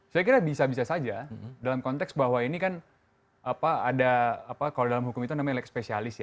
saya kira bisa bisa saja dalam konteks bahwa ini kan ada kalau dalam hukum itu namanya leg spesialis ya